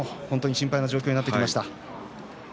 心配になってきました。